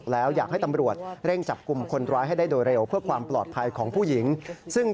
แล้วก็ชุดชั้นในของเธอเอง